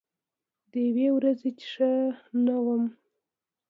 د یوې ورځې چې ښه نه وم